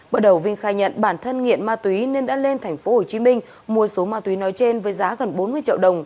bởi đầu vinh khai nhận bản thân nghiện ma túy nên đã lên tp hcm mua số ma túy nói trên với giá gần bốn mươi triệu đồng